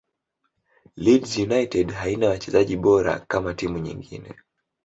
leeds united haina wachezaji bora kama timu nyingine